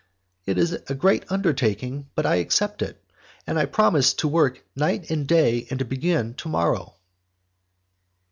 "It is a great undertaking, but I accept it; I promise you to work night and day, and to begin to morrow."